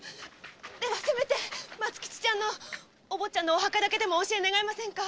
せめて松吉ちゃんお坊っちゃんのお墓をお教え願えませんか？